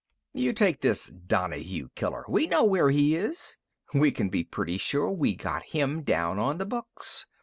"You take this Donahue killer. We know where he is. We can be pretty sure we got him down on the books."